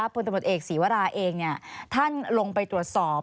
ผู้ตำรวจเอกศรีวราเองเนี่ยท่านลงไปตรวจสอบ